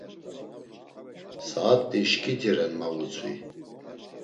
Saat̆i şkiti ren ma vutzvi.